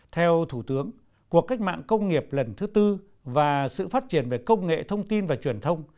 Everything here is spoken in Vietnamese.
theo thủ tướng cuộc cách mạng công nghiệp lần thứ tư và sự phát triển về công nghệ thông tin và truyền thông